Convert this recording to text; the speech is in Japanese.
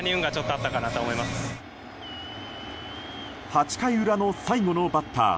８回裏の最後のバッター